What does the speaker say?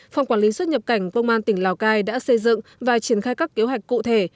phòng quản lý xuất nhập cảnh công an tỉnh lào cai đã xây dựng và triển khai các kế hoạch cụ thể